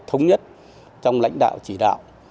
thống nhất trong lãnh đạo chỉ đạo